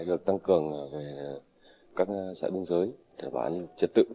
được tăng cường về các xã biên giới để bán trật tự